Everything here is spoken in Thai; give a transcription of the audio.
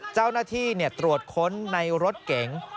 เจ้าหน้าที่ตรวจค้นในรถเก๋ง